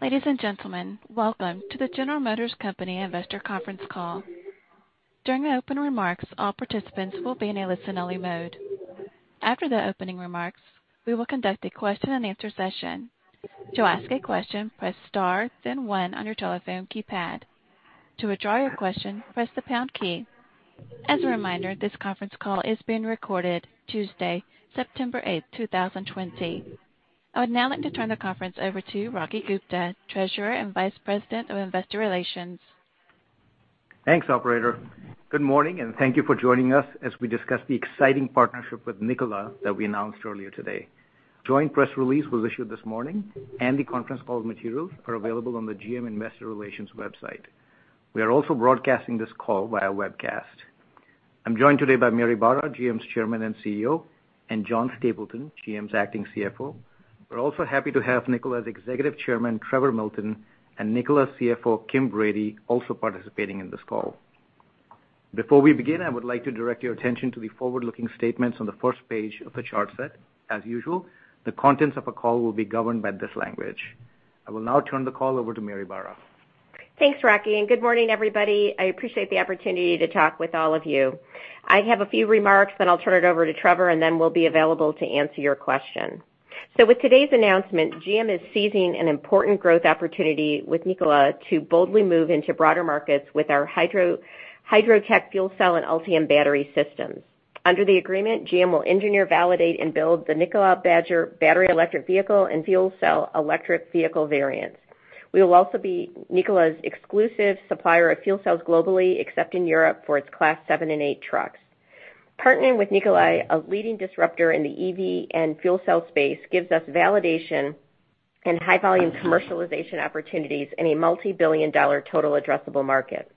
Ladies and gentlemen, welcome to the General Motors Company investor conference call. During the open remarks, all participants will be in a listen-only mode. After the opening remarks, we will conduct a question-and-answer session. To ask a question, press star, then one on your telephone keypad. To withdraw your question, press the pound key. As a reminder, this conference call is being recorded Tuesday, September 8th, 2020. I would now like to turn the conference over to Rocky Gupta, Treasurer and Vice President of Investor Relations. Thanks, operator. Good morning. Thank you for joining us as we discuss the exciting partnership with Nikola that we announced earlier today. A joint press release was issued this morning. The conference call materials are available on the GM Investor Relations website. We are also broadcasting this call via webcast. I'm joined today by Mary Barra, GM's Chairman and CEO, and John Stapleton, GM's Acting CFO. We're also happy to have Nikola's Executive Chairman, Trevor Milton, and Nikola's CFO, Kim Brady, also participating in this call. Before we begin, I would like to direct your attention to the forward-looking statements on the first page of the chart set. As usual, the contents of the call will be governed by this language. I will now turn the call over to Mary Barra. Thanks, Rocky. Good morning, everybody. I appreciate the opportunity to talk with all of you. I have a few remarks, then I'll turn it over to Trevor, and then we'll be available to answer your questions. With today's announcement, GM is seizing an important growth opportunity with Nikola to boldly move into broader markets with our HYDROTEC fuel cell and Ultium battery systems. Under the agreement, GM will engineer, validate, and build the Nikola Badger battery electric vehicle and fuel cell electric vehicle variants. We will also be Nikola's exclusive supplier of fuel cells globally, except in Europe, for its Class 7 and 8 trucks. Partnering with Nikola, a leading disruptor in the EV and fuel cell space, gives us validation and high-volume commercialization opportunities in a multibillion-dollar total addressable market.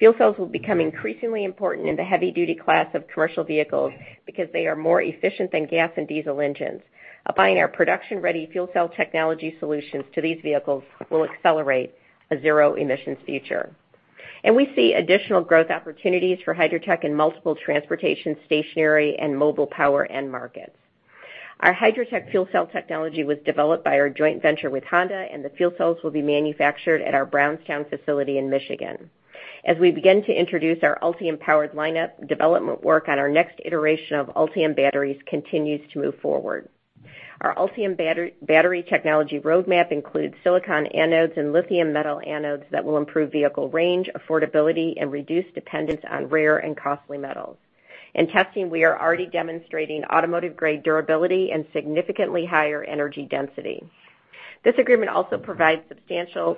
Fuel cells will become increasingly important in the heavy-duty class of commercial vehicles because they are more efficient than gas and diesel engines. Applying our production-ready fuel cell technology solutions to these vehicles will accelerate a zero-emissions future. We see additional growth opportunities for HYDROTEC in multiple transportation, stationary, and mobile power end markets. Our HYDROTEC fuel cell technology was developed by our joint venture with Honda, and the fuel cells will be manufactured at our Brownstown facility in Michigan. As we begin to introduce our Ultium-powered lineup, development work on our next iteration of Ultium batteries continues to move forward. Our Ultium battery technology roadmap includes silicon anodes and lithium metal anodes that will improve vehicle range, affordability, and reduce dependence on rare and costly metals. In testing, we are already demonstrating automotive-grade durability and significantly higher energy density. This agreement also provides substantial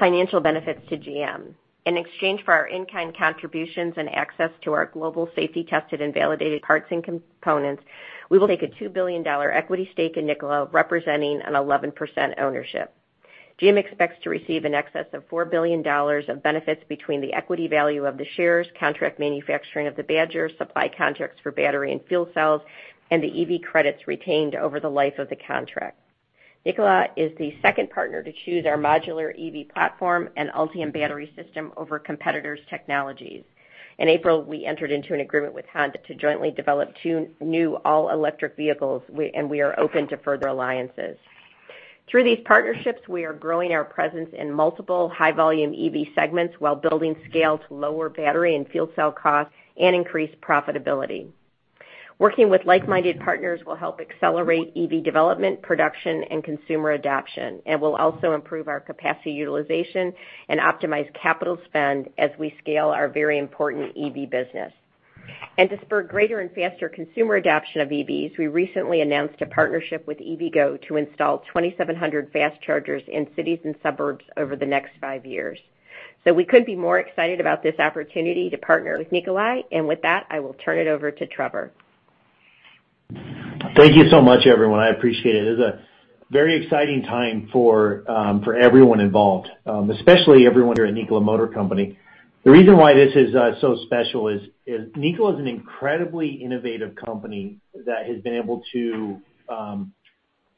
financial benefits to GM. In exchange for our in-kind contributions and access to our global safety-tested and validated parts and components, we will take a $2 billion equity stake in Nikola, representing an 11% ownership. GM expects to receive in excess of $4 billion of benefits between the equity value of the shares, contract manufacturing of the Badger, supply contracts for battery and fuel cells, and the EV credits retained over the life of the contract. Nikola is the second partner to choose our modular EV platform and Ultium battery system over competitors' technologies. In April, we entered into an agreement with Honda to jointly develop two new all-electric vehicles, and we are open to further alliances. Through these partnerships, we are growing our presence in multiple high-volume EV segments while building scale to lower battery and fuel cell costs and increase profitability. Working with like-minded partners will help accelerate EV development, production, and consumer adoption. It will also improve our capacity utilization and optimize capital spend as we scale our very important EV business. To spur greater and faster consumer adoption of EVs, we recently announced a partnership with EVgo to install 2,700 fast chargers in cities and suburbs over the next five years. We couldn't be more excited about this opportunity to partner with Nikola, and with that, I will turn it over to Trevor. Thank you so much, everyone. I appreciate it. It is a very exciting time for everyone involved, especially everyone here at Nikola Corporation. The reason why this is so special is Nikola is an incredibly innovative company that has been able to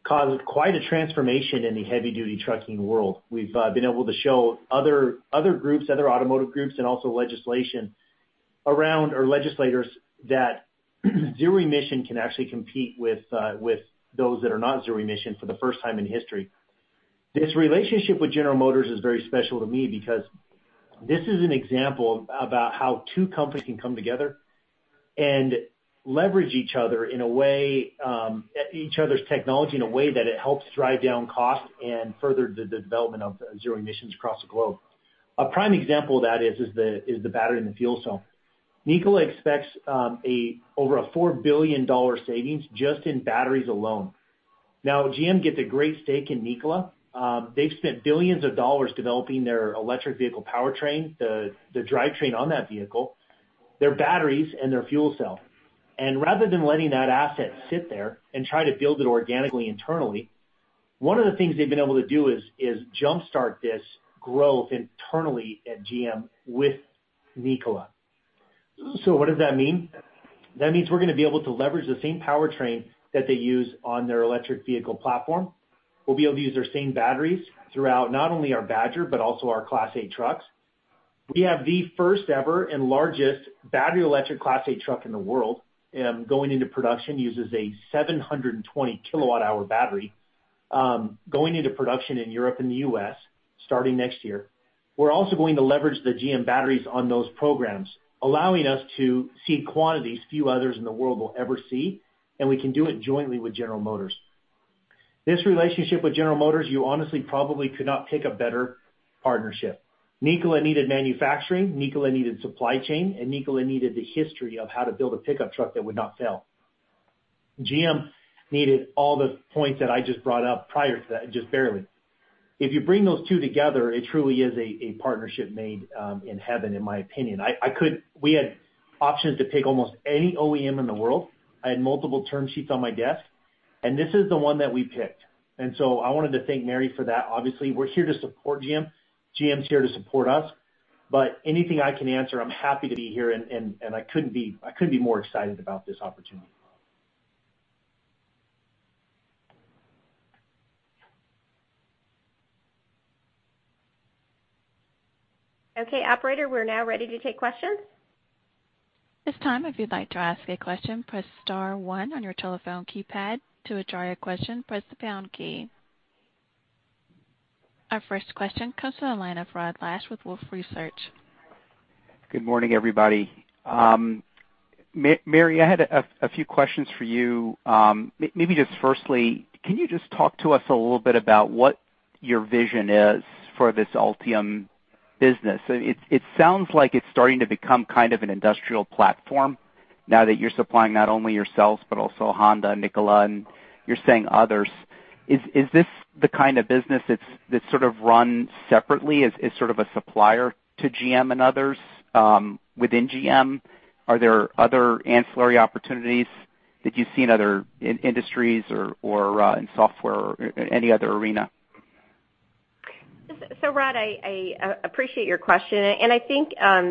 cause quite a transformation in the heavy-duty trucking world. We've been able to show other groups, other automotive groups, and also legislation around our legislators that zero emission can actually compete with those that are not zero emission for the first time in history. This relationship with General Motors is very special to me because this is an example about how two companies can come together and leverage each other's technology in a way that it helps drive down costs and further the development of zero emissions across the globe. A prime example of that is the battery and the fuel cell. Nikola expects over a $4 billion savings just in batteries alone. GM gets a great stake in Nikola. They've spent billions of dollars developing their electric vehicle powertrain, the drivetrain on that vehicle, their batteries, and their fuel cell. Rather than letting that asset sit there and try to build it organically internally, one of the things they've been able to do is jumpstart this growth internally at GM with Nikola. What does that mean? That means we're going to be able to leverage the same powertrain that they use on their electric vehicle platform. We'll be able to use their same batteries throughout not only our Badger but also our Class 8 trucks. We have the first ever and largest battery electric Class 8 truck in the world, going into production, uses a 720 kWh battery, going into production in Europe and the U.S. starting next year. We're also going to leverage the GM batteries on those programs, allowing us to see quantities few others in the world will ever see, and we can do it jointly with General Motors. This relationship with General Motors, you honestly probably could not pick a better partnership. Nikola needed manufacturing, Nikola needed supply chain, and Nikola needed the history of how to build a pickup truck that would not fail. GM needed all the points that I just brought up prior to that, just barely. If you bring those two together, it truly is a partnership made in heaven, in my opinion. We had options to pick almost any OEM in the world. I had multiple term sheets on my desk, and this is the one that we picked. I wanted to thank Mary for that. Obviously, we're here to support GM. GM's here to support us. Anything I can answer, I'm happy to be here, and I couldn't be more excited about this opportunity. Okay, operator, we're now ready to take questions. This time, if you'd like to ask a question, press star one on your telephone keypad. To withdraw your question, press the pound key. Our first question comes to the line of Rod Lache with Wolfe Research. Good morning, everybody. Mary, I had a few questions for you. Maybe just firstly, can you just talk to us a little bit about what your vision is for this Ultium business? It sounds like it's starting to become kind of an industrial platform now that you're supplying not only yourselves, but also Honda, Nikola, and you're saying others. Is this the kind of business that's sort of run separately as sort of a supplier to GM and others? Within GM, are there other ancillary opportunities that you see in other industries or in software or any other arena? Rod, I appreciate your question, and I think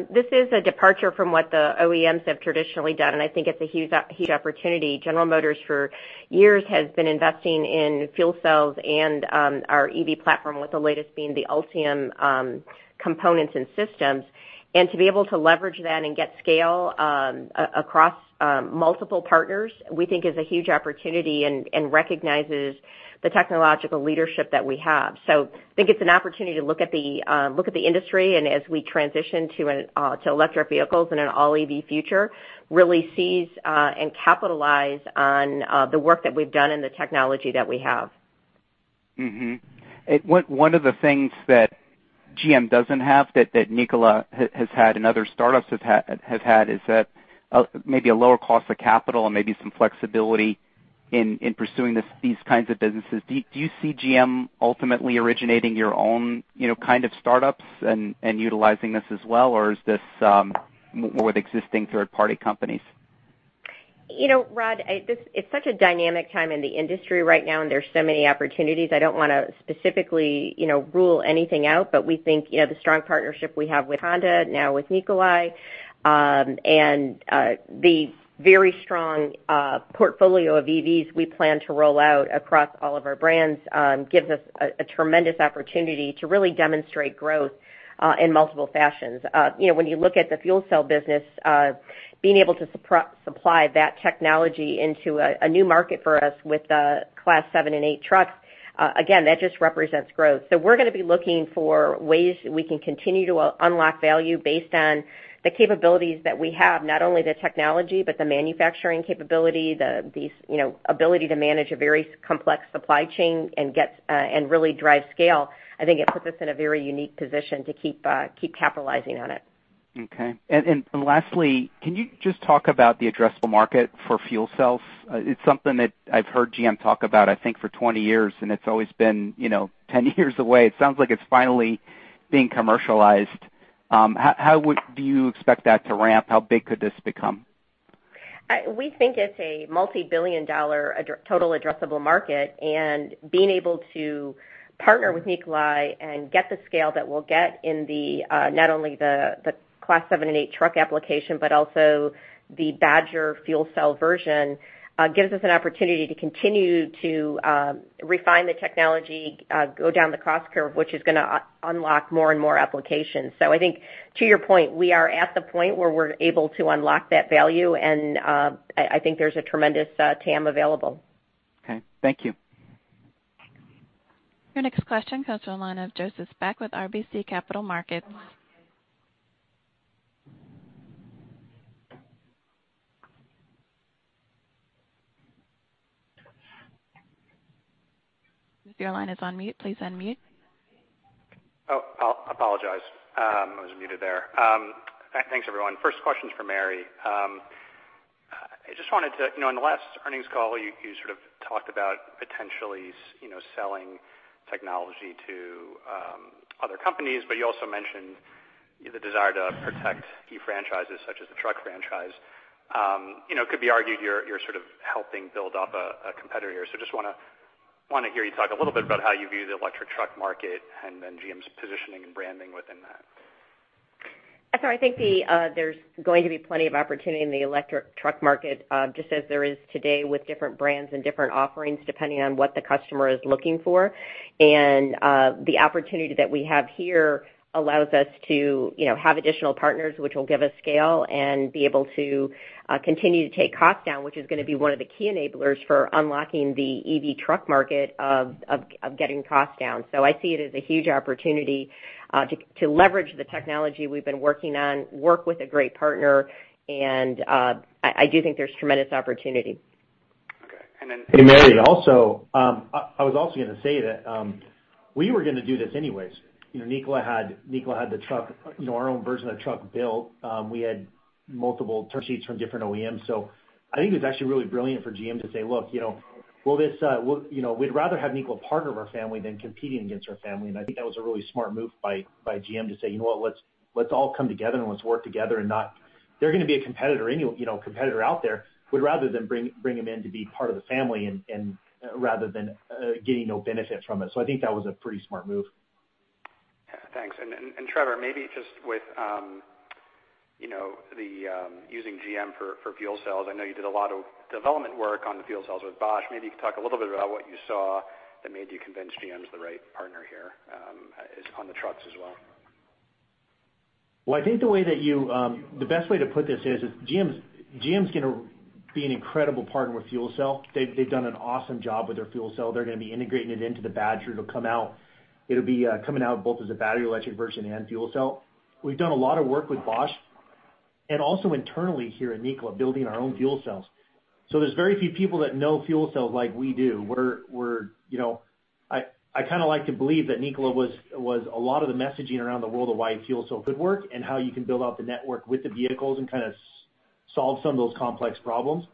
this is a departure from what the OEMs have traditionally done, and I think it's a huge opportunity. General Motors for years has been investing in fuel cells and our EV platform, with the latest being the Ultium components and systems. To be able to leverage that and get scale across multiple partners, we think is a huge opportunity and recognizes the technological leadership that we have. I think it's an opportunity to look at the industry and as we transition to electric vehicles and an all-EV future, really seize and capitalize on the work that we've done and the technology that we have. Mm-hmm. One of the things that GM doesn't have that Nikola has had and other startups have had is maybe a lower cost of capital and maybe some flexibility in pursuing these kinds of businesses. Do you see GM ultimately originating your own kind of startups and utilizing this as well, or is this more with existing third-party companies? Rod, it's such a dynamic time in the industry right now, and there's so many opportunities. I don't want to specifically rule anything out. We think the strong partnership we have with Honda, now with Nikola, and the very strong portfolio of EVs we plan to roll out across all of our brands gives us a tremendous opportunity to really demonstrate growth in multiple fashions. When you look at the fuel cell business, being able to supply that technology into a new market for us with the Class 7 and 8 trucks, again, that just represents growth. We're going to be looking for ways we can continue to unlock value based on the capabilities that we have, not only the technology, but the manufacturing capability, the ability to manage a very complex supply chain and really drive scale. I think it puts us in a very unique position to keep capitalizing on it. Okay. Lastly, can you just talk about the addressable market for fuel cells? It's something that I've heard GM talk about, I think, for 20 years, and it's always been 10 years away. It sounds like it's finally being commercialized. How do you expect that to ramp? How big could this become? We think it's a multi-billion dollar total addressable market, and being able to partner with Nikola and get the scale that we'll get in not only the Class 7 and 8 truck application, but also the Badger fuel cell version, gives us an opportunity to continue to refine the technology, go down the cost curve, which is going to unlock more and more applications. I think to your point, we are at the point where we're able to unlock that value, and I think there's a tremendous TAM available. Okay. Thank you. Your next question comes from the line of Joseph Spak with RBC Capital Markets. Oh, I apologize. I was muted there. Thanks, everyone. First question's for Mary. In the last earnings call, you sort of talked about potentially selling technology to other companies, but you also mentioned the desire to protect key franchises such as the truck franchise. It could be argued you're sort of helping build up a competitor here. Just want to hear you talk a little bit about how you view the electric truck market and then GM's positioning and branding within that. I think there's going to be plenty of opportunity in the electric truck market, just as there is today with different brands and different offerings, depending on what the customer is looking for. The opportunity that we have here allows us to have additional partners, which will give us scale and be able to continue to take costs down, which is going to be one of the key enablers for unlocking the EV truck market of getting costs down. I see it as a huge opportunity to leverage the technology we've been working on, work with a great partner, and I do think there's tremendous opportunity. Okay. Hey, Mary, I was also going to say that we were going to do this anyways. Nikola had the truck, our own version of the truck built. We had multiple term sheets from different OEMs. I think it was actually really brilliant for GM to say, "Look, we'd rather have Nikola part of our family than competing against our family." I think that was a really smart move by GM to say, "You know what? Let's all come together and let's work together." They're going to be a competitor out there, we'd rather them bring them in to be part of the family rather than getting no benefit from it. I think that was a pretty smart move. Thanks. Trevor, maybe just with using GM for fuel cells, I know you did a lot of development work on the fuel cells with Bosch. Maybe you could talk a little bit about what you saw that made you convince GM's the right partner here on the trucks as well? Well, I think the best way to put this is GM's going to be an incredible partner with fuel cell. They've done an awesome job with their fuel cell. They're going to be integrating it into the Badger. It'll be coming out both as a battery electric version and fuel cell. We've done a lot of work with Bosch, and also internally here at Nikola, building our own fuel cells. There's very few people that know fuel cells like we do. I like to believe that Nikola was a lot of the messaging around the world of why fuel cell could work and how you can build out the network with the vehicles and solve some of those complex problems.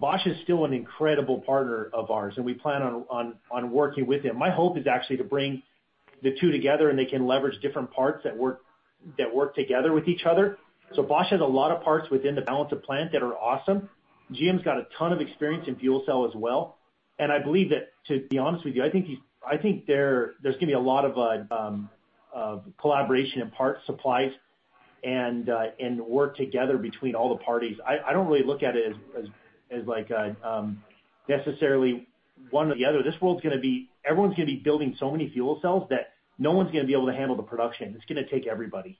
Bosch is still an incredible partner of ours, and we plan on working with them. My hope is actually to bring the two together, and they can leverage different parts that work together with each other. Bosch has a lot of parts within the balance of plant that are awesome. GM's got a ton of experience in fuel cell as well, and I believe that, to be honest with you, I think there's going to be a lot of collaboration in parts supplies and work together between all the parties. I don't really look at it as necessarily one or the other. Everyone's going to be building so many fuel cells that no one's going to be able to handle the production. It's going to take everybody.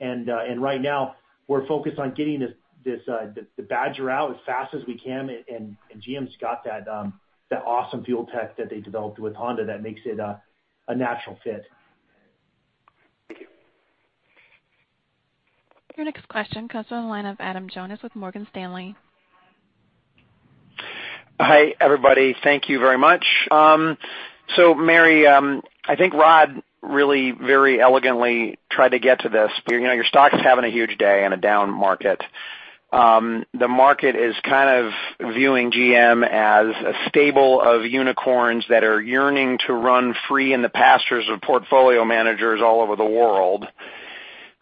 Right now, we're focused on getting the Badger out as fast as we can, and GM's got that awesome HYDROTEC that they developed with Honda that makes it a natural fit. Thank you. Your next question comes on the line of Adam Jonas with Morgan Stanley. Hi, everybody. Thank you very much. Mary, I think Rod really very elegantly tried to get to this. Your stock is having a huge day in a down market. The market is kind of viewing GM as a stable of unicorns that are yearning to run free in the pastures of portfolio managers all over the world.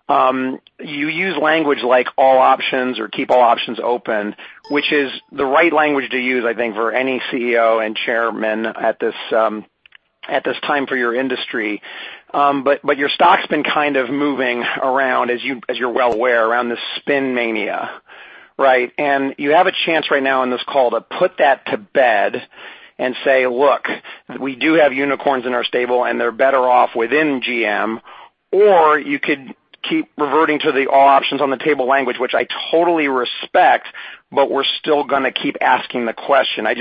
You use language like all options or keep all options open, which is the right language to use, I think, for any CEO and chairman at this time for your industry. Your stock's been kind of moving around, as you're well aware, around this spin mania, right? You have a chance right now on this call to put that to bed and say, "Look, we do have unicorns in our stable, and they're better off within GM." You could keep reverting to the all options on the table language, which I totally respect, but we're still going to keep asking the question. I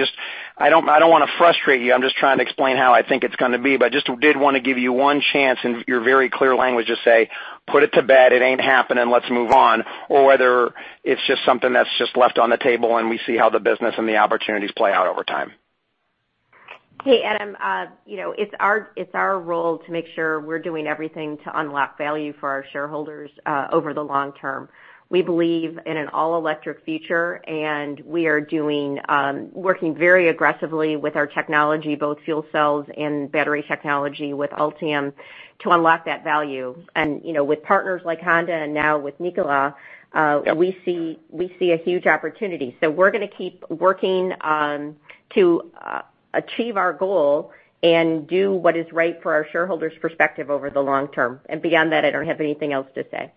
don't want to frustrate you. I'm just trying to explain how I think it's going to be, but just did want to give you one chance in your very clear language to say, put it to bed, it ain't happening, let's move on, or whether it's just something that's just left on the table, and we see how the business and the opportunities play out over time. Hey, Adam. It's our role to make sure we're doing everything to unlock value for our shareholders over the long term. We believe in an all-electric future, we are working very aggressively with our technology, both fuel cells and battery technology with Ultium to unlock that value. With partners like Honda and now with Nikola, we see a huge opportunity. We're going to keep working to achieve our goal and do what is right for our shareholders' perspective over the long term. Beyond that, I don't have anything else to say.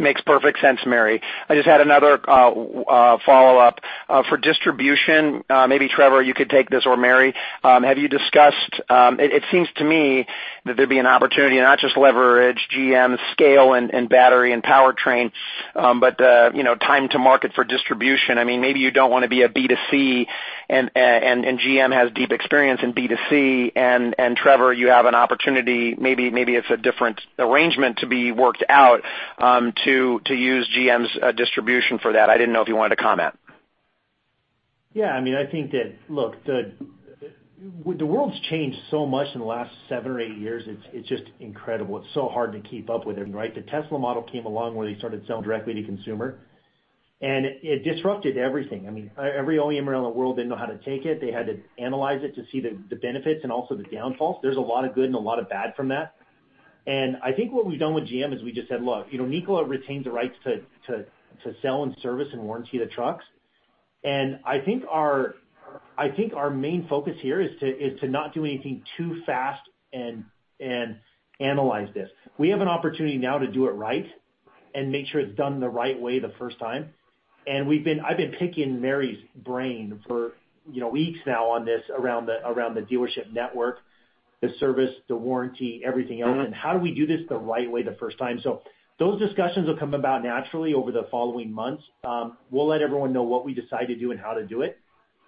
Makes perfect sense, Mary. I just had another follow-up. For distribution, maybe Trevor, you could take this, or Mary, have you discussed, it seems to me that there'd be an opportunity to not just leverage GM's scale in battery and powertrain, but time to market for distribution. Maybe you don't want to be a B2C, and GM has deep experience in B2C, and Trevor, you have an opportunity, maybe it's a different arrangement to be worked out, to use GM's distribution for that. I didn't know if you wanted to comment. I think that, look, the world's changed so much in the last seven or eight years, it's just incredible. It's so hard to keep up with it, right? The Tesla came along where they started selling directly to consumer, and it disrupted everything. Every OEM around the world didn't know how to take it. They had to analyze it to see the benefits and also the downfalls. There's a lot of good and a lot of bad from that. I think what we've done with GM is we just said, look, Nikola retained the rights to sell and service and warranty the trucks. I think our main focus here is to not do anything too fast and analyze this. We have an opportunity now to do it right and make sure it's done the right way the first time. I've been picking Mary's brain for weeks now on this around the dealership network, the service, the warranty, everything else, and how do we do this the right way the first time. Those discussions will come about naturally over the following months. We'll let everyone know what we decide to do and how to do it.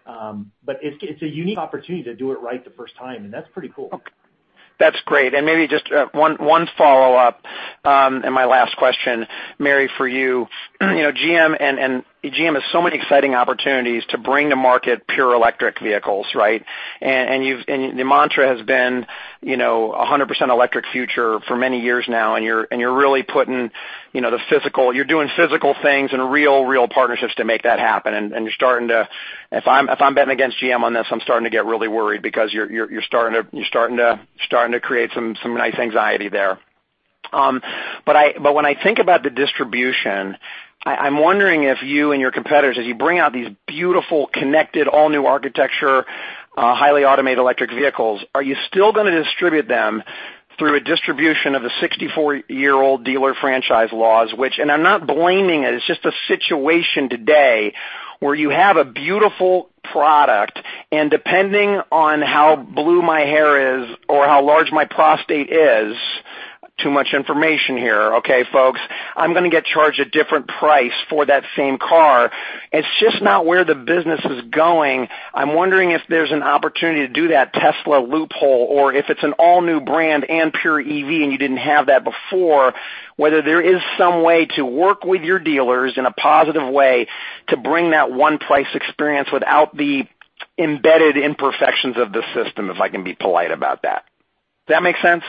It's a unique opportunity to do it right the first time, and that's pretty cool. That's great. Maybe just one follow-up, and my last question. Mary, for you, GM has so many exciting opportunities to bring to market pure electric vehicles, right? Your mantra has been 100% electric future for many years now, and you're doing physical things and real partnerships to make that happen. If I'm betting against GM on this, I'm starting to get really worried because you're starting to create some nice anxiety there. When I think about the distribution, I'm wondering if you and your competitors, as you bring out these beautiful, connected, all-new architecture, highly automated electric vehicles, are you still going to distribute them through a distribution of the 64-year-old dealer franchise laws? I'm not blaming it's just a situation today where you have a beautiful product, and depending on how blue my hair is or how large my prostate is, too much information here, okay, folks, I'm going to get charged a different price for that same car. It's just not where the business is going. I'm wondering if there's an opportunity to do that Tesla loophole, or if it's an all-new brand and pure EV, and you didn't have that before, whether there is some way to work with your dealers in a positive way to bring that one price experience without the embedded imperfections of the system, if I can be polite about that. Does that make sense?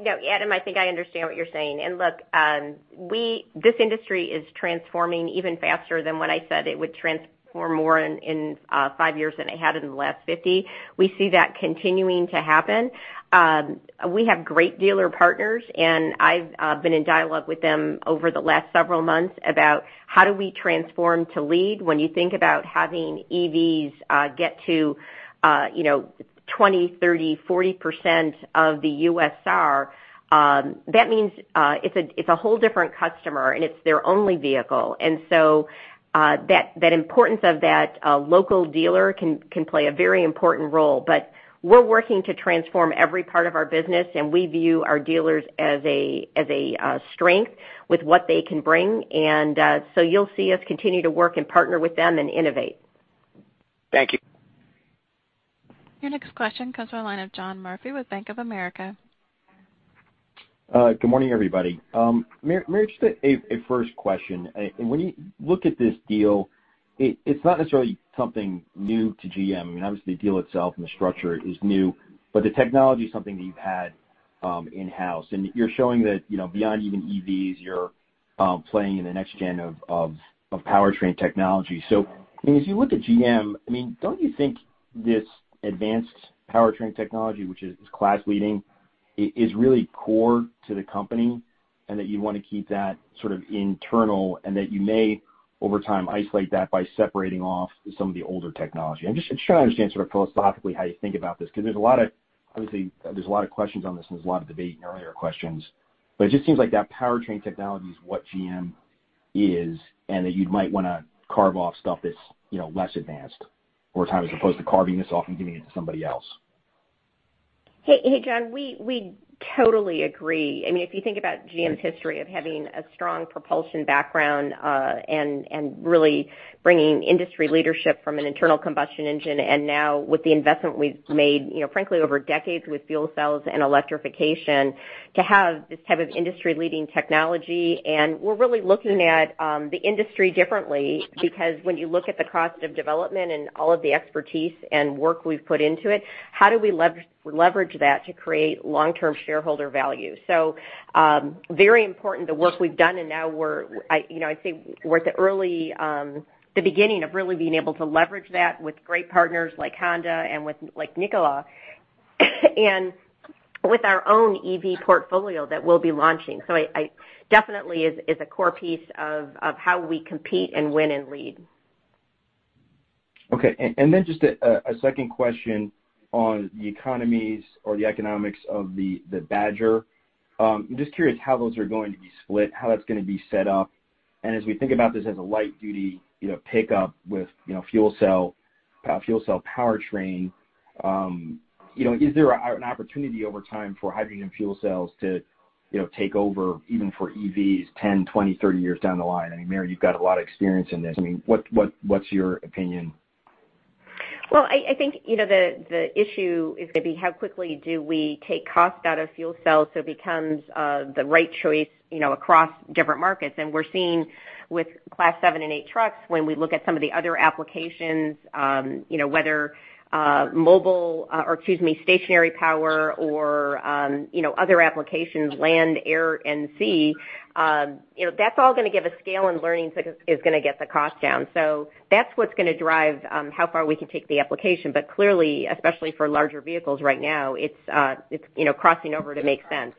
No, Adam, I think I understand what you're saying. Look, this industry is transforming even faster than when I said it would transform more in five years than it had in the last 50. We see that continuing to happen. We have great dealer partners. I've been in dialogue with them over the last several months about how do we transform to lead when you think about having EVs get to 20%, 30%, 40% of the U.S. market. That means it's a whole different customer, and it's their only vehicle. That importance of that local dealer can play a very important role. We're working to transform every part of our business, and we view our dealers as a strength with what they can bring. You'll see us continue to work and partner with them and innovate. Thank you. Your next question comes from the line of John Murphy with Bank of America. Good morning, everybody. Mary, just a first question. When you look at this deal, it's not necessarily something new to GM. The deal itself and the structure is new, but the technology is something that you've had in-house. You're showing that beyond even EVs, you're playing in the next gen of powertrain technology. As you look at GM, don't you think this advanced powertrain technology, which is class-leading, is really core to the company, and that you'd want to keep that sort of internal, and that you may, over time, isolate that by separating off some of the older technology? I'm just trying to understand sort of philosophically how you think about this, because obviously there's a lot of questions on this, and there's a lot of debate in earlier questions. It just seems like that powertrain technology is what GM is, and that you might want to carve off stuff that's less advanced over time as opposed to carving this off and giving it to somebody else. Hey, John. We totally agree. If you think about GM's history of having a strong propulsion background and really bringing industry leadership from an internal combustion engine, and now with the investment we've made frankly over decades with fuel cells and electrification to have this type of industry-leading technology. We're really looking at the industry differently, because when you look at the cost of development and all of the expertise and work we've put into it, how do we leverage that to create long-term shareholder value? Very important the work we've done, and now we're, I'd say, the beginning of really being able to leverage that with great partners like Honda and like Nikola, and with our own EV portfolio that we'll be launching. Definitely is a core piece of how we compete and win and lead. Okay. Just a second question on the economies or the economics of the Badger. I'm just curious how those are going to be split, how that's going to be set up. As we think about this as a light duty pickup with fuel cell powertrain, is there an opportunity over time for hydrogen fuel cells to take over even for EVs 10, 20, 30 years down the line? Mary, you've got a lot of experience in this. What's your opinion? Well, I think the issue is going to be how quickly do we take cost out of fuel cells so it becomes the right choice across different markets. We're seeing with Class 7 and 8 trucks, when we look at some of the other applications, whether mobile or, excuse me, stationary power or other applications, land, air, and sea, that's all going to give a scale in learning is going to get the cost down. That's what's going to drive how far we can take the application. Clearly, especially for larger vehicles right now, it's crossing over to make sense.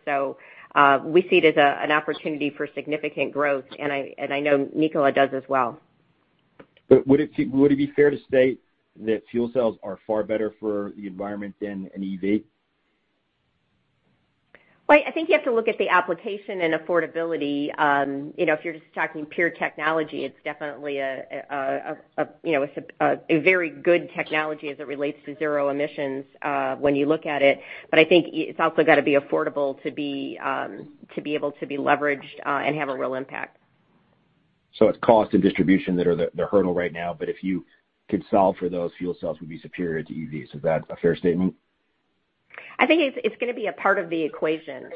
We see it as an opportunity for significant growth, and I know Nikola does as well. Would it be fair to state that fuel cells are far better for the environment than an EV? Well, I think you have to look at the application and affordability. If you're just talking pure technology, it's definitely a very good technology as it relates to zero emissions when you look at it. I think it's also got to be affordable to be able to be leveraged and have a real impact. It's cost and distribution that are the hurdle right now, but if you could solve for those, fuel cells would be superior to EVs. Is that a fair statement? I think it's going to be a part of the equation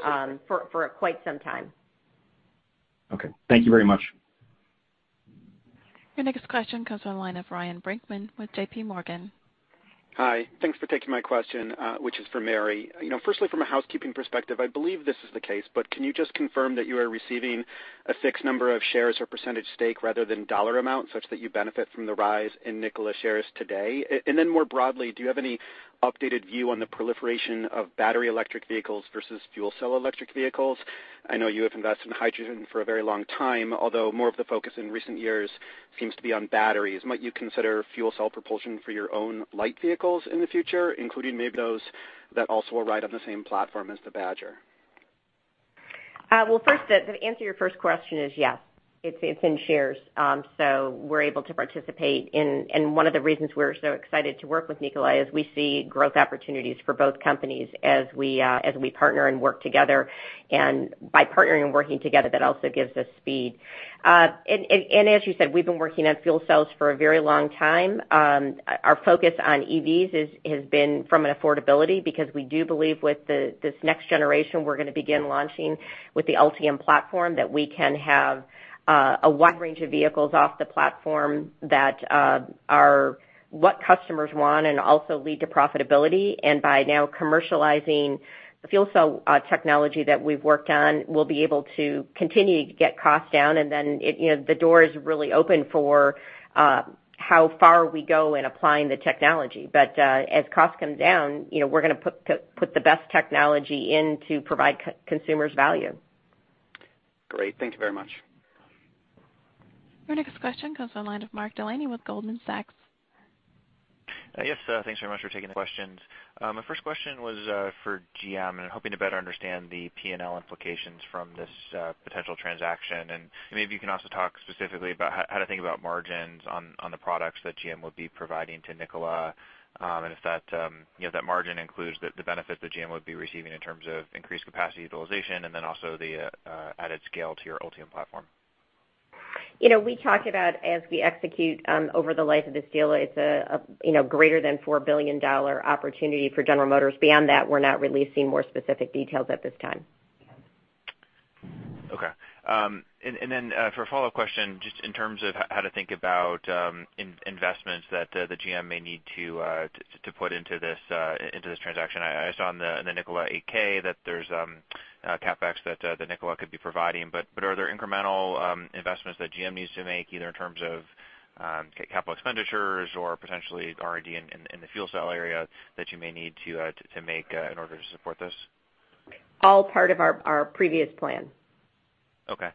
for quite some time. Okay. Thank you very much. Your next question comes on the line of Ryan Brinkman with JPMorgan. Hi. Thanks for taking my question, which is for Mary. Firstly, from a housekeeping perspective, I believe this is the case, but can you just confirm that you are receiving a fixed number of shares or percentage stake rather than dollar amount such that you benefit from the rise in Nikola shares today? More broadly, do you have any updated view on the proliferation of battery electric vehicles versus fuel cell electric vehicles? I know you have invested in hydrogen for a very long time, although more of the focus in recent years seems to be on batteries. Might you consider fuel cell propulsion for your own light vehicles in the future, including maybe those that also will ride on the same platform as the Badger? First, the answer to your first question is yes. It's in shares. We're able to participate, and one of the reasons we're so excited to work with Nikola is we see growth opportunities for both companies as we partner and work together. By partnering and working together, that also gives us speed. As you said, we've been working on fuel cells for a very long time. Our focus on EVs has been from an affordability because we do believe with this next generation, we're going to begin launching with the Ultium platform, that we can have a wide range of vehicles off the platform that are what customers want and also lead to profitability. By now commercializing the fuel cell technology that we've worked on, we'll be able to continue to get costs down, and then the door is really open for how far we go in applying the technology. As costs come down, we're going to put the best technology in to provide consumers value. Great. Thank you very much. Our next question comes on the line of Mark Delaney with Goldman Sachs. Yes, thanks very much for taking the questions. My first question was for GM. I'm hoping to better understand the P&L implications from this potential transaction. Maybe you can also talk specifically about how to think about margins on the products that GM would be providing to Nikola, and if that margin includes the benefit that GM would be receiving in terms of increased capacity utilization and then also the added scale to your Ultium platform. We talk about as we execute over the life of this deal, it's a greater than $4 billion opportunity for General Motors. Beyond that, we're not releasing more specific details at this time. Okay. For a follow-up question, just in terms of how to think about investments that GM may need to put into this transaction. I saw in the Nikola 8-K that there's CapEx that Nikola could be providing, but are there incremental investments that GM needs to make, either in terms of capital expenditures or potentially R&D in the fuel cell area that you may need to make in order to support this? All part of our previous plan. Okay.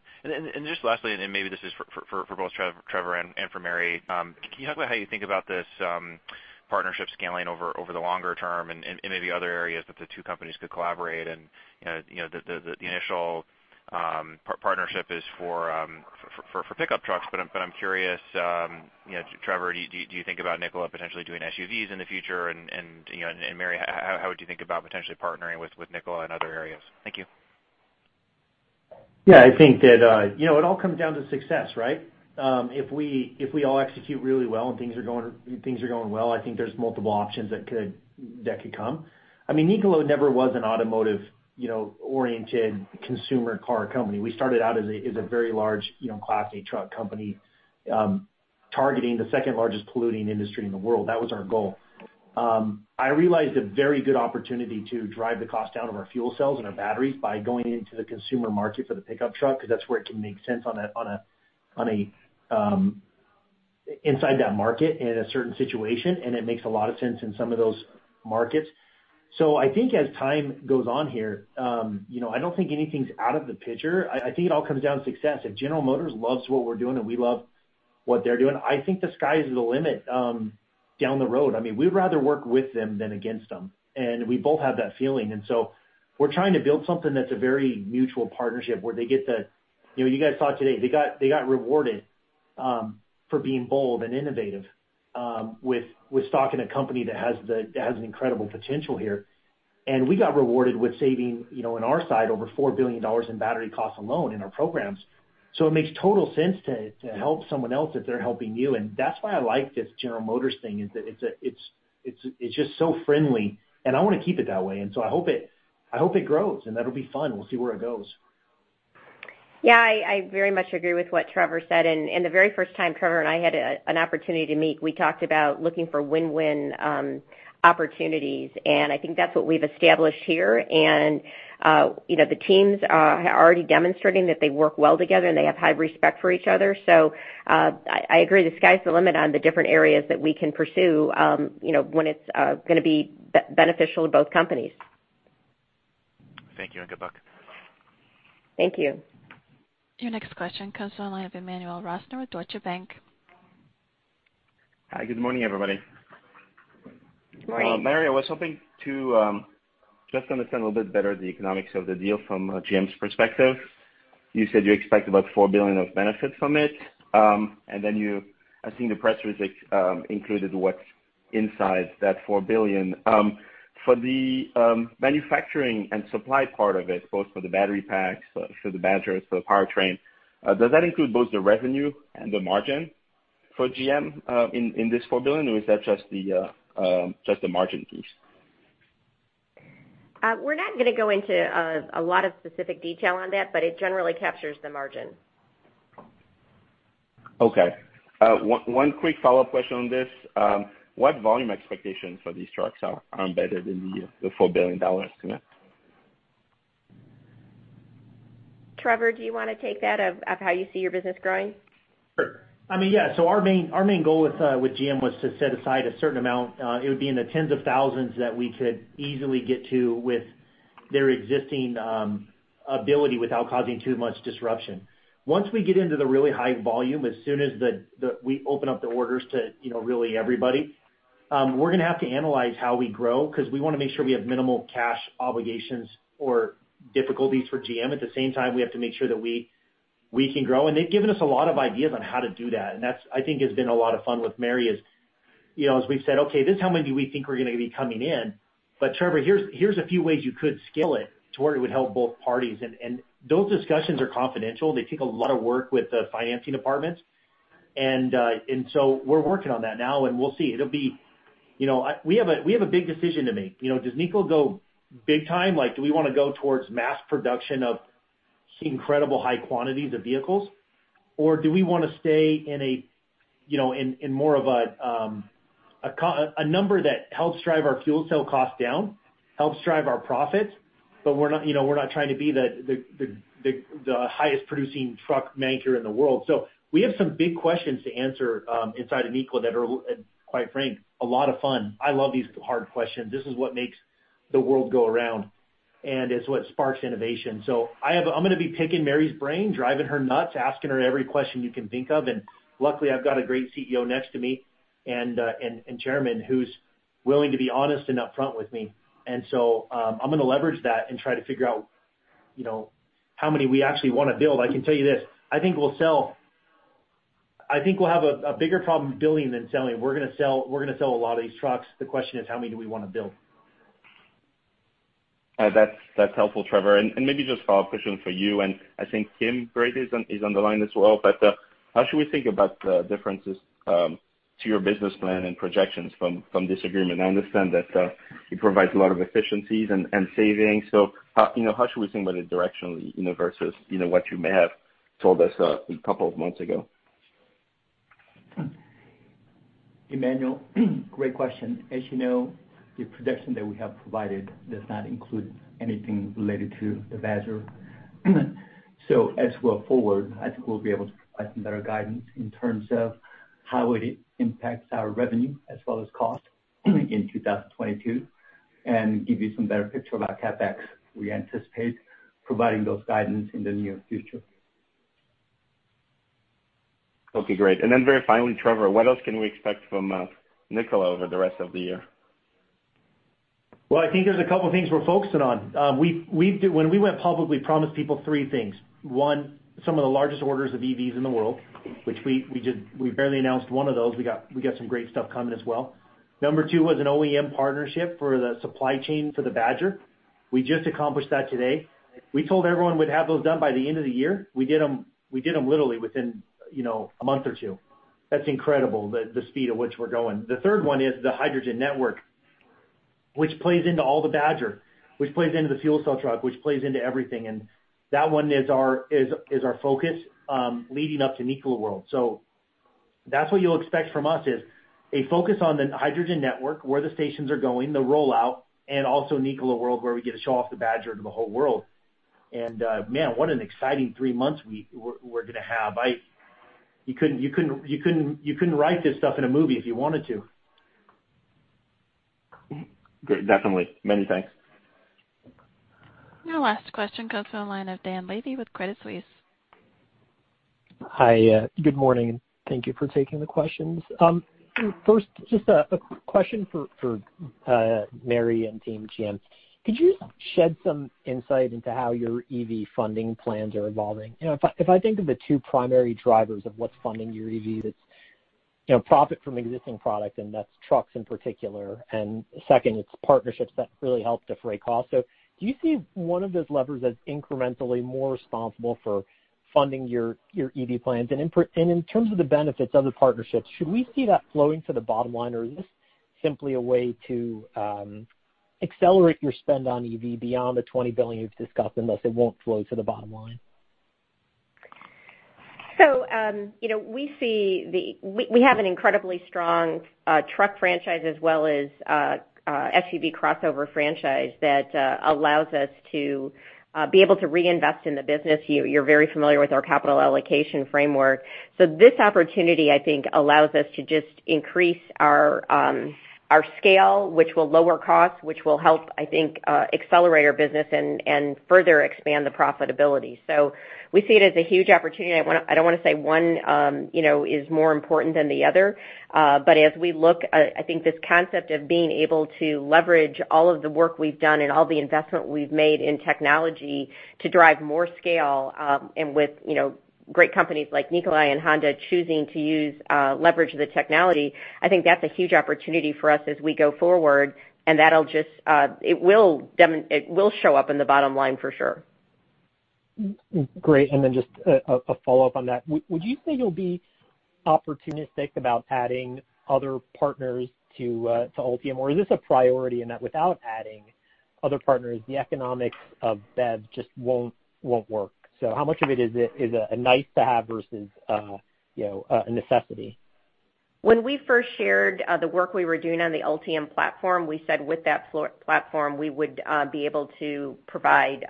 Just lastly, maybe this is for both Trevor and for Mary, can you talk about how you think about this partnership scaling over the longer term and maybe other areas that the two companies could collaborate. The initial partnership is for pickup trucks, but I'm curious, Trevor, do you think about Nikola potentially doing SUVs in the future? Mary, how would you think about potentially partnering with Nikola in other areas? Thank you. I think that it all comes down to success, right? If we all execute really well and things are going well, I think there's multiple options that could come. Nikola never was an automotive-oriented consumer car company. We started out as a very large Class 8 truck company targeting the second-largest polluting industry in the world. That was our goal. I realized a very good opportunity to drive the cost down of our fuel cells and our batteries by going into the consumer market for the pickup truck because that's where it can make sense inside that market in a certain situation, and it makes a lot of sense in some of those markets. I think as time goes on here, I don't think anything's out of the picture. I think it all comes down to success. If General Motors loves what we're doing and we love what they're doing, I think the sky's the limit down the road. We'd rather work with them than against them, we both have that feeling. We're trying to build something that's a very mutual partnership where they get, you guys saw today, they got rewarded for being bold and innovative with staking a company that has an incredible potential here. We got rewarded with saving, on our side, over $4 billion in battery costs alone in our programs. It makes total sense to help someone else if they're helping you, that's why I like this General Motors thing, is that it's just so friendly, I want to keep it that way. I hope it grows, that'll be fun. We'll see where it goes. Yeah, I very much agree with what Trevor said. The very first time Trevor and I had an opportunity to meet, we talked about looking for win-win opportunities, and I think that's what we've established here. The teams are already demonstrating that they work well together and they have high respect for each other. I agree the sky's the limit on the different areas that we can pursue when it's going to be beneficial to both companies. Thank you and good luck. Thank you. Your next question comes on the line of Emmanuel Rosner with Deutsche Bank. Hi. Good morning, everybody. Morning. Mary, I was hoping to just understand a little bit better the economics of the deal from GM's perspective. You said you expect about $4 billion of benefits from it, then I think the press release included what's inside that $4 billion. For the manufacturing and supply part of it, both for the battery packs, for the Badger, for the powertrain, does that include both the revenue and the margin for GM in this $4 billion, or is that just the margin piece? We're not going to go into a lot of specific detail on that, but it generally captures the margin. Okay. One quick follow-up question on this. What volume expectations for these trucks are embedded in the $4 billion estimate? Trevor, do you want to take that, of how you see your business growing? Sure. Yeah. Our main goal with GM was to set aside a certain amount, it would be in the tens of thousands, that we could easily get to with their existing ability without causing too much disruption. Once we get into the really high volume, as soon as we open up the orders to really everybody, we're going to have to analyze how we grow because we want to make sure we have minimal cash obligations or difficulties for GM. At the same time, we have to make sure that we can grow. They've given us a lot of ideas on how to do that, and that, I think, has been a lot of fun with Mary is, as we've said, "Okay, this is how many we think we're going to be coming in, but Trevor, here's a few ways you could scale it to where it would help both parties." Those discussions are confidential. They take a lot of work with the financing departments. We're working on that now, and we'll see. We have a big decision to make. Does Nikola go big time? Do we want to go towards mass production of incredible high quantities of vehicles, or do we want to stay in more of a number that helps drive our fuel cell cost down, helps drive our profits, but we're not trying to be the highest-producing truck maker in the world? We have some big questions to answer inside of Nikola that are, quite frank, a lot of fun. I love these hard questions. This is what makes the world go around, and it's what sparks innovation. I'm going to be picking Mary's brain, driving her nuts, asking her every question you can think of. Luckily, I've got a great CEO next to me, and Chairman, who's willing to be honest and upfront with me. I'm going to leverage that and try to figure out how many we actually want to build. I can tell you this, I think we'll have a bigger problem building than selling. We're going to sell a lot of these trucks. The question is, how many do we want to build? That's helpful, Trevor. Maybe just a follow-up question for you, I think Kim Brady is on the line as well, how should we think about the differences to your business plan and projections from this agreement? I understand that it provides a lot of efficiencies and savings, how should we think about it directionally versus what you may have told us a couple of months ago? Emmanuel, great question. As you know, the projection that we have provided does not include anything related to the Badger. As we're forward, I think we'll be able to provide some better guidance in terms of how it impacts our revenue as well as cost in 2022 and give you some better picture about CapEx. We anticipate providing those guidance in the near future. Okay, great. Very finally, Trevor, what else can we expect from Nikola over the rest of the year? I think there's a couple things we're focusing on. When we went public, we promised people three things. One, some of the largest orders of EVs in the world, which we barely announced one of those. We got some great stuff coming as well. Number two was an OEM partnership for the supply chain for the Badger. We just accomplished that today. We told everyone we'd have those done by the end of the year. We did them literally within a month or two. That's incredible, the speed at which we're going. The third one is the hydrogen network, which plays into all the Badger, which plays into the fuel cell truck, which plays into everything, and that one is our focus leading up to Nikola World. That's what you'll expect from us, is a focus on the hydrogen network, where the stations are going, the rollout, and also Nikola World, where we get to show off the Badger to the whole world. Man, what an exciting three months we're going to have. You couldn't write this stuff in a movie if you wanted to. Great. Definitely. Many thanks. Our last question comes from the line of Dan Levy with Credit Suisse. Hi. Good morning. Thank you for taking the questions. First, just a question for Mary and team GM. Could you shed some insight into how your EV funding plans are evolving? If I think of the two primary drivers of what's funding your EV, that's profit from existing product, and that's trucks in particular, and second, it's partnerships that really help defray cost. Do you see one of those levers as incrementally more responsible for funding your EV plans? In terms of the benefits of the partnerships, should we see that flowing to the bottom line, or is this simply a way to accelerate your spend on EV beyond the $20 billion you've discussed, and thus it won't flow to the bottom line? We have an incredibly strong truck franchise as well as SUV crossover franchise that allows us to be able to reinvest in the business. You're very familiar with our capital allocation framework. This opportunity, I think, allows us to just increase our scale, which will lower costs, which will help, I think, accelerate our business and further expand the profitability. We see it as a huge opportunity. I don't want to say one is more important than the other. As we look, I think this concept of being able to leverage all of the work we've done and all the investment we've made in technology to drive more scale, and with great companies like Nikola and Honda choosing to leverage the technology, I think that's a huge opportunity for us as we go forward. It will show up in the bottom line for sure. Great. Just a follow-up on that. Would you say you'll be opportunistic about adding other partners to Ultium, or is this a priority in that without adding other partners, the economics of BEV just won't work? How much of it is a nice-to-have versus a necessity? When we first shared the work we were doing on the Ultium platform, we said with that platform, we would be able to provide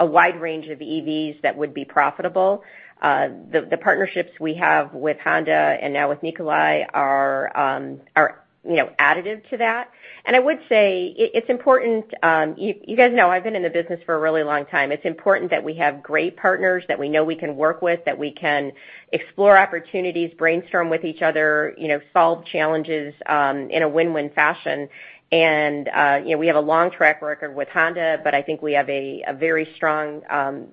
a wide range of EVs that would be profitable. The partnerships we have with Honda and now with Nikola are additive to that. I would say, you know I've been in the business for a really long time. It's important that we have great partners that we know we can work with, that we can explore opportunities, brainstorm with each other, solve challenges in a win-win fashion. We have a long track record with Honda, but I think we have a very strong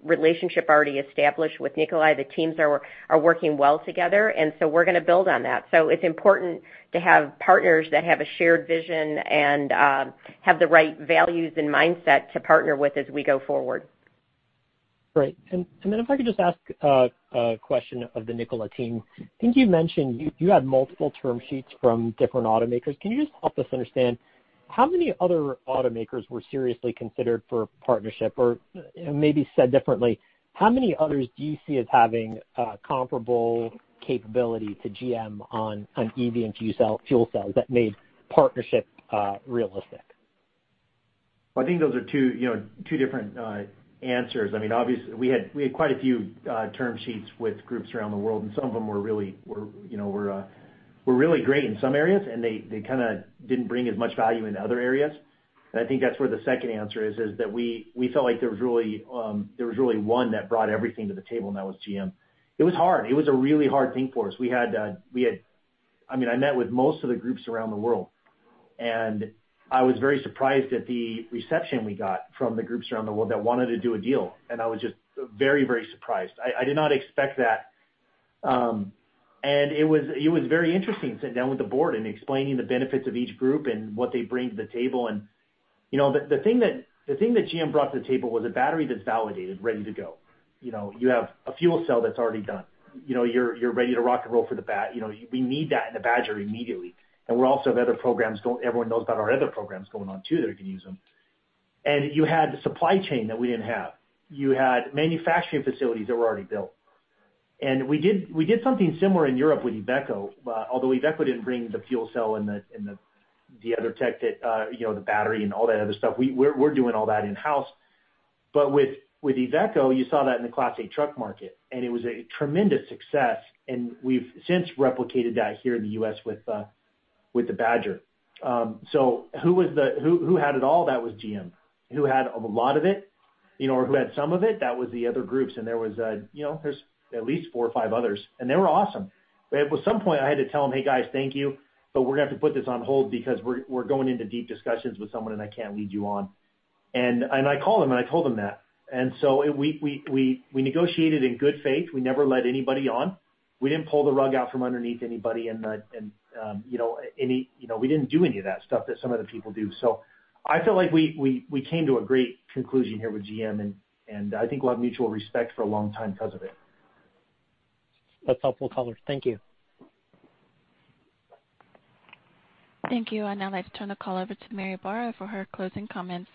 relationship already established with Nikola. The teams are working well together, we're going to build on that. It's important to have partners that have a shared vision and have the right values and mindset to partner with as we go forward. Great. Then if I could just ask a question of the Nikola team. I think you mentioned you had multiple term sheets from different automakers. Can you just help us understand how many other automakers were seriously considered for partnership? Maybe said differently, how many others do you see as having comparable capability to GM on EV and fuel cells that made partnership realistic? Well, I think those are two different answers. Obviously, we had quite a few term sheets with groups around the world, and some of them were really great in some areas, and they kind of didn't bring as much value in other areas. I think that's where the second answer is that we felt like there was really one that brought everything to the table, and that was GM. It was hard. It was a really hard thing for us. I met with most of the groups around the world, and I was very surprised at the reception we got from the groups around the world that wanted to do a deal. I was just very surprised. I did not expect that. It was very interesting sitting down with the board and explaining the benefits of each group and what they bring to the table. The thing that GM brought to the table was a battery that's validated, ready to go. You have a fuel cell that's already done. You're ready to rock and roll for the Badger. We need that in the Badger immediately. Everyone knows about our other programs going on too that are going to use them. You had the supply chain that we didn't have. You had manufacturing facilities that were already built. We did something similar in Europe with IVECO, although IVECO didn't bring the fuel cell and the other tech, the battery and all that other stuff. We're doing all that in-house. With IVECO, you saw that in the Class 8 truck market, and it was a tremendous success, and we've since replicated that here in the U.S. with the Badger. Who had it all? That was GM. Who had a lot of it, or who had some of it? That was the other groups, and there's at least four or five others. They were awesome. At some point, I had to tell them, "Hey, guys, thank you, but we're going to have to put this on hold because we're going into deep discussions with someone, and I can't lead you on." I called them, and I told them that. We negotiated in good faith. We never led anybody on. We didn't pull the rug out from underneath anybody and we didn't do any of that stuff that some other people do. I feel like we came to a great conclusion here with GM, and I think we'll have mutual respect for a long time because of it. That's helpful color. Thank you. Thank you. Now I turn the call over to Mary Barra for her closing comments.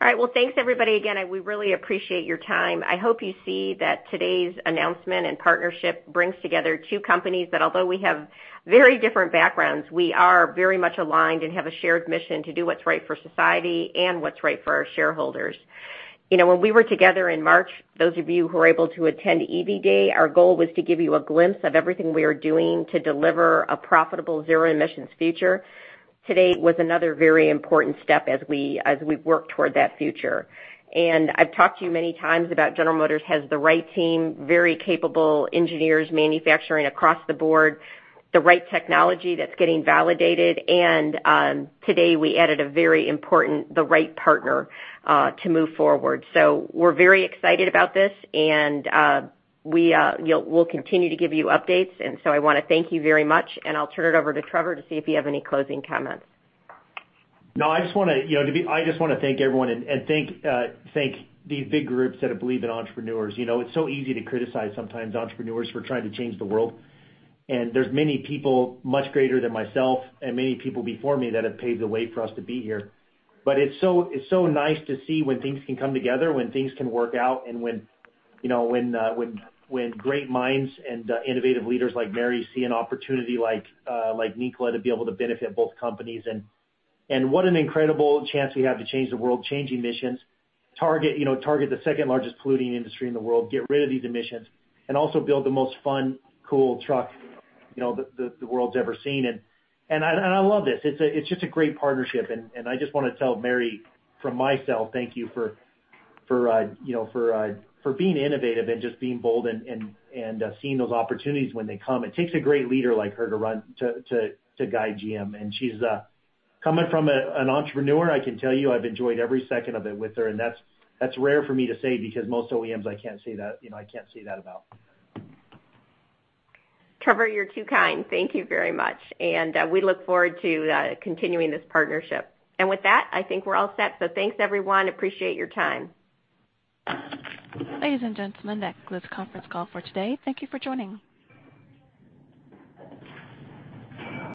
All right. Well, thanks, everybody. We really appreciate your time. I hope you see that today's announcement and partnership brings together two companies that although we have very different backgrounds, we are very much aligned and have a shared mission to do what's right for society and what's right for our shareholders. When we were together in March, those of you who were able to attend EV Day, our goal was to give you a glimpse of everything we are doing to deliver a profitable zero-emissions future. Today was another very important step as we work toward that future. I've talked to you many times about General Motors has the right team, very capable engineers, manufacturing across the board, the right technology that's getting validated, and today we added a very important, the right partner to move forward. We're very excited about this, and we'll continue to give you updates. I want to thank you very much, and I'll turn it over to Trevor to see if you have any closing comments. No, I just want to thank everyone and thank the big groups that have believed in entrepreneurs. It's so easy to criticize sometimes entrepreneurs for trying to change the world. There's many people much greater than myself and many people before me that have paved the way for us to be here. It's so nice to see when things can come together, when things can work out, and when great minds and innovative leaders like Mary see an opportunity like Nikola to be able to benefit both companies. What an incredible chance we have to change the world, change emissions, target the second-largest polluting industry in the world, get rid of these emissions, and also build the most fun, cool truck the world's ever seen. I love this. It's just a great partnership, and I just want to tell Mary from myself, thank you for being innovative and just being bold and seeing those opportunities when they come. It takes a great leader like her to guide GM. Coming from an entrepreneur, I can tell you I've enjoyed every second of it with her, and that's rare for me to say because most OEMs, I can't say that about. Trevor, you're too kind. Thank you very much. We look forward to continuing this partnership. With that, I think we're all set. Thanks, everyone. Appreciate your time. Ladies and gentlemen, that concludes the conference call for today. Thank you for joining.